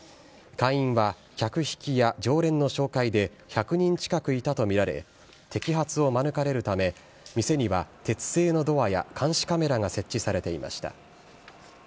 会員は客引きや常連の紹介で１００人近くいたと見られ、摘発を免れるため、店には鉄製のドアや監視カメラが設置されていました。